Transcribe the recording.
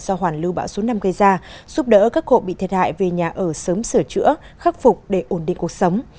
do hoàn lưu bão số năm gây ra giúp đỡ các hộ bị thiệt hại về nhà ở sớm sửa chữa khắc phục để ổn định cuộc sống